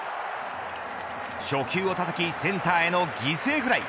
初球をたたきセンターへの犠牲フライ。